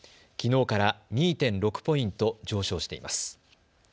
きのうから２．６ポイント上昇しています。